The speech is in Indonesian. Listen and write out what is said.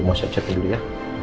mau siap siapin dulu ya